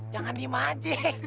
jangan diem aja